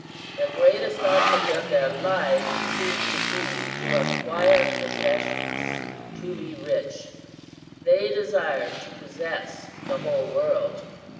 "The greatest object of their lives seems to be to acquire possessions to be rich. They desire to possess the whole world.